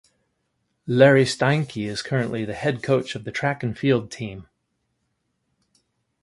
Larry Steinke is currently the head coach of the track and field team.